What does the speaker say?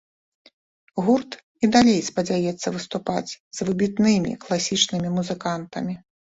Гурт і далей спадзяецца выступаць з выбітнымі класічнымі музыкантамі.